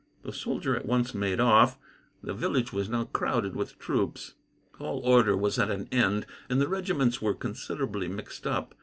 The soldier at once made off. The village was now crowded with troops. All order was at an end, and the regiments were considerably mixed up.